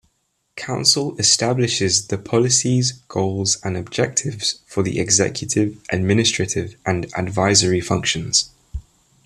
Council establishes the policies, goals and objectives for the Executive, Administrative, and Advisory functions.